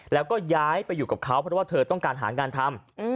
แล้วก็ย้ายไปอยู่กับเขาเพราะว่าเธอต้องการหางานทำ